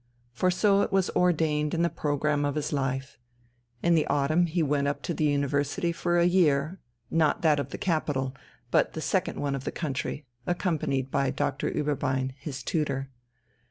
For so it was ordained in the programme of his life; in the autumn he went up to the university for a year, not that of the capital, but the second one of the country, accompanied by Doctor Ueberbein, his tutor.